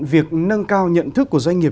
việc nâng cao nhận thức của doanh nghiệp